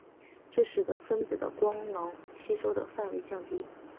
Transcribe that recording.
这使得分子的光能吸收的范围降低。